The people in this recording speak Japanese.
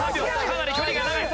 かなり距離が長い。